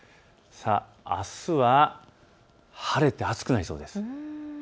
あすは晴れて暑くなりそうです。